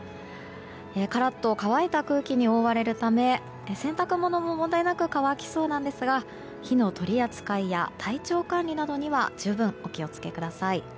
カラッと乾いた空気に覆われるため洗濯物も問題なく乾きそうなんですが火の取り扱いや体調管理などには十分、お気を付けください。